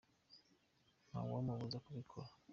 ntawababuza kubikora.